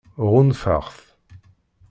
Ɣunfaɣ-t.